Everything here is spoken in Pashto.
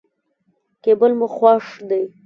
کېبل مو خوښ دی.